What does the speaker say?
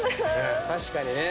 確かにね。